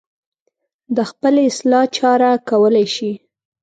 د خپلې اصلاح چاره کولی شي.